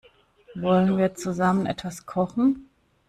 Wollen wir zusammen etwas kochen?